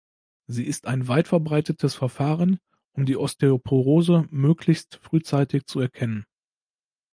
Sie ist ein weit verbreitetes Verfahren, um die Osteoporose möglichst frühzeitig zu erkennen.